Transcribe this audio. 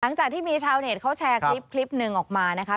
หลังจากที่มีชาวเน็ตเขาแชร์คลิปหนึ่งออกมานะคะ